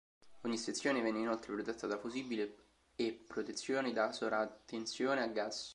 Ogni sezione venne inoltre protetta da fusibili e protezioni da sovratensione a gas.